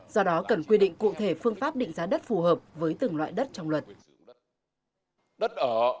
do đó cần quy định cụ thể phương pháp định giá đất phù hợp với từng loại đất trong luật